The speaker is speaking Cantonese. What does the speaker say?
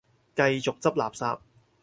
繼續執垃圾